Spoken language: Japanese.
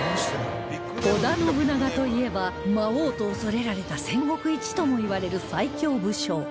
織田信長といえば魔王と恐れられた戦国一ともいわれる最強武将